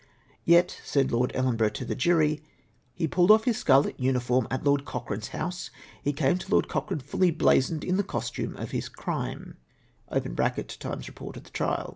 Yet, said Lord Ellenborougli to the jury, " He pulled off HIS SCARLET UNIFORM AT LORD CoCHRANE'S HOUSE. He CAME TO Lord Cochrane fully blazoned ls^ the COSTUME OF HIS CRIME." {Times report of the trial.)